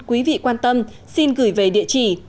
quý vị quan tâm xin gửi về địa chỉ